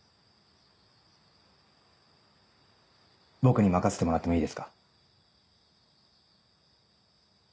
僕に任せてもらってもいいですか？